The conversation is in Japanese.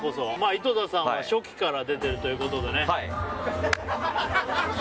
井戸田さんは初期から出てるということで。